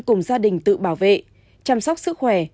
cùng gia đình tự bảo vệ chăm sóc sức khỏe